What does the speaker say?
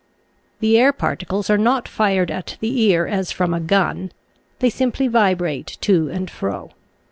The air particles are not fired at the ear as from a gun; they simply vibrate to and fro.